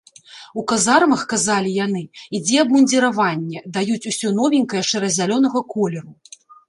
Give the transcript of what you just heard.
У казармах, казалі яны, ідзе абмундзіраванне, даюць усё новенькае шэра-зялёнага колеру.